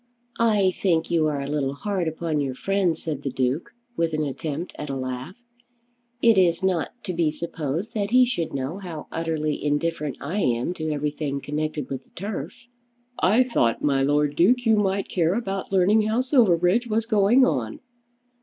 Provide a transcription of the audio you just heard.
"I think you are a little hard upon your friend," said the Duke, with an attempt at a laugh. "It is not to be supposed that he should know how utterly indifferent I am to everything connected with the turf." "I thought, my Lord Duke, you might care about learning how Silverbridge was going on."